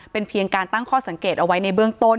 เป็นเพียงการตั้งข้อสังเกตเอาไว้ในเบื้องต้น